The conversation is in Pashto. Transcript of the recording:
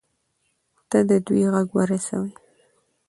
ته د دوى غږ ورسوي.